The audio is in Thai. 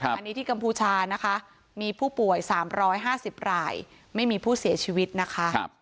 อันนี้ที่กัมพูชานะคะมีผู้ป่วย๓๕๐รายไม่มีผู้เสียชีวิตนะคะ